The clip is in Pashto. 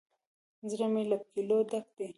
زړه می له ګیلو ډک دی